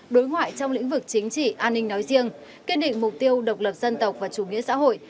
đối ngoại trong lĩnh vực chính trị an ninh nói riêng kiên định mục tiêu độc lập dân tộc và chủ nghĩa xã hội